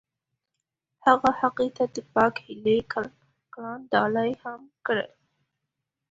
هغه هغې ته د پاک هیلې ګلان ډالۍ هم کړل.